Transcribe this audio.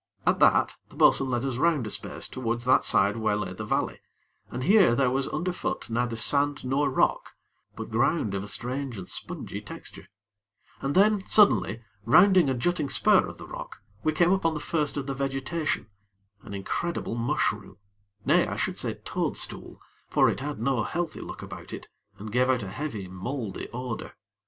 At that, the bo'sun led us round a space towards that side where lay the valley, and here there was under foot neither sand nor rock; but ground of strange and spongy texture, and then suddenly, rounding a jutting spur of the rock, we came upon the first of the vegetation an incredible mushroom; nay, I should say toadstool; for it had no healthy look about it, and gave out a heavy, mouldy odor.